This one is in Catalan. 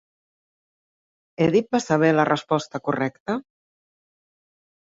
Èdip va saber la resposta correcta?